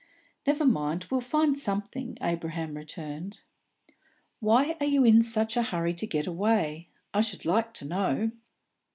"Never mind; we'll find something," Abraham returned. "Why are you in such a hurry to get away, I should like to know?"